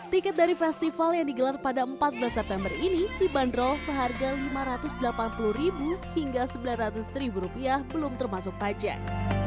tiket dari festival yang digelar pada empat belas september ini dibanderol seharga rp lima ratus delapan puluh hingga rp sembilan ratus belum termasuk pajak